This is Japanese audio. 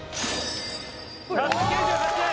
１９８円！